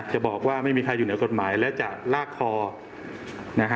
จะบอกว่าไม่มีใครอยู่เหนือกฎหมายและจะลากคอนะฮะ